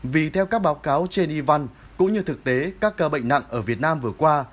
vì theo các báo cáo trên yvonne cũng như thực tế các cơ bệnh nặng ở việt nam vừa qua